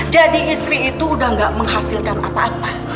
jadi istri itu udah nggak menghasilkan apa apa